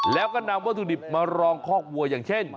แล้วก็นำวัตถุดิบมารองคอกวัวอย่างเช่น